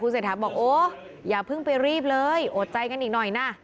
เศรษฐาบอกโอ้อย่าเพิ่งไปรีบเลยโอดใจกันอีกหน่อยนะ